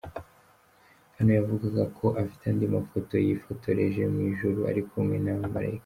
Hano yavugaga ko afite andi mafoto yifotoreje mu ijuru ari kumwe n'abamalayika.